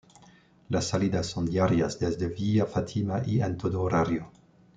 Las salidas son diarias desde Villa Fátima y en todo horario.